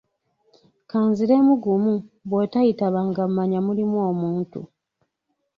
Ka nziremu gumu bw'otoyitaba nga mmanya mulimu omuntu.